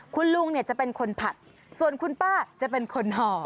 คุณลุงเนี่ยจะเป็นคนผัดส่วนคุณป้าจะเป็นคนห่อ